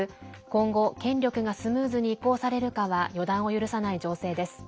今後、権力がスムーズに移行されるかは予断を許さない情勢です。